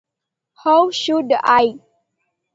How should I?